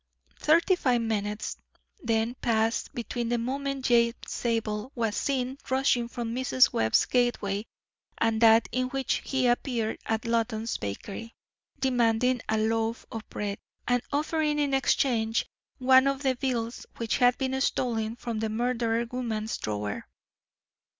Thirty five minutes, then, passed between the moment James Zabel was seen rushing from Mrs. Webb's gateway and that in which he appeared at Loton's bakery, demanding a loaf of bread, and offering in exchange one of the bills which had been stolen from the murdered woman's drawer.